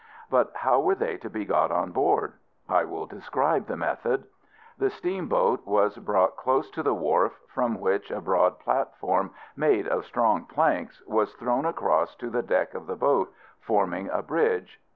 But how were they to be got on board? I will describe the method. The steamboat was brought close to the wharf, from which a broad platform, made of strong planks, was thrown across to the deck of the boat, forming a bridge.